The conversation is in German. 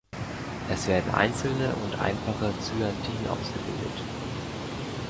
Es werden einzelne und einfache Cyathien ausgebildet.